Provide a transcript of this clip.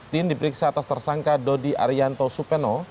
din diperiksa atas tersangka dodi arianto supeno